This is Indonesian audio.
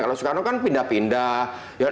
kalau soekarno kan pindah pindah